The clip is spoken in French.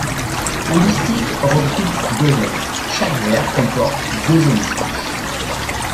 Un distique regroupe deux vers, chaque vers comporte deux hémistiches.